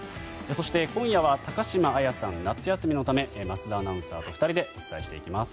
そして今夜は高島彩さん夏休みのため桝田アナウンサーと２人でお伝えしていきます。